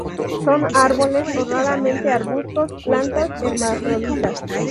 Son árboles o raramente arbustos; plantas hermafroditas.